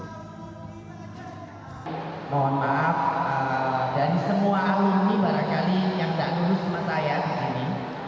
mohon maaf dari semua alumni barangkali yang danur semestanya di sini